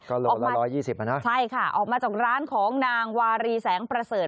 ก็ลงละ๑๒๐อ่ะนะใช่ค่ะออกมาจากร้านของนางวารีแสงประเสริฐ